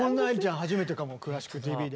初めてかも「クラシックＴＶ」で。